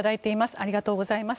ありがとうございます。